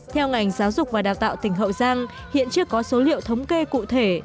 theo ngành giáo dục và đào tạo tỉnh hậu giang hiện chưa có số liệu thống kê cụ thể